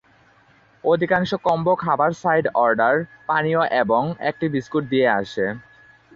অধিকাংশ কম্বো খাবার side order, পানীয় এবং একটি বিস্কুট দিয়ে আসে।